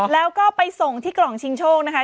แล้วก็ไปส่งที่กล่องชิงโชคนะคะ